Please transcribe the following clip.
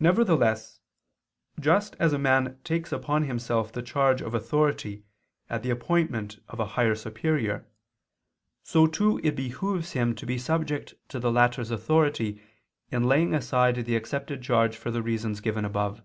Nevertheless just as a man takes upon himself the charge of authority at the appointment of a higher superior, so too it behooves him to be subject to the latter's authority in laying aside the accepted charge for the reasons given above.